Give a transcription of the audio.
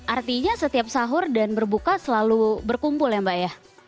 artinya setiap sahur dan berbuka selalu berkumpul ya mbak ya